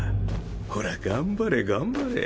ほら頑張れ頑張れ。